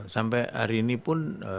sampai hari ini pun